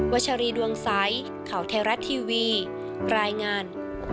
วัชรีดวงไซค์เข่าแทรศ์ทีวีรายงาน